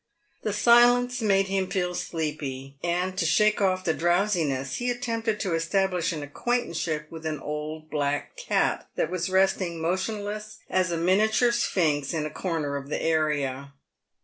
The silence made him feel sleepy, and to shake off the drowsiness he attempted to PAVED WITH GOLD. 125 establish an acquaintanceship with an old black cat that was resting motionless as a miniature sphinx in a corner of the area.